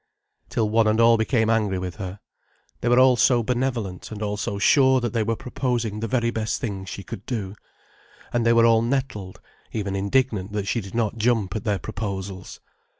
Till one and all became angry with her. They were all so benevolent, and all so sure that they were proposing the very best thing she could do. And they were all nettled, even indignant that she did not jump at their proposals.